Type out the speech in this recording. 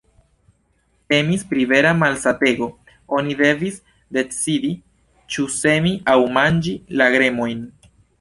Temis pri vera malsatego: oni devis decidi ĉu semi aŭ manĝi la grenojn.